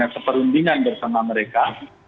seperundingan bersama mereka